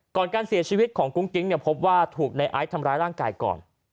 ก่อนการเสียชีวิตของกุ้งกิ๊งเนี่ยพบว่าถูกในไอซ์ทำร้ายร่างกายก่อน